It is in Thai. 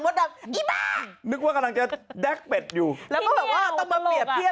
ไม่มีใครเป็นภรรย์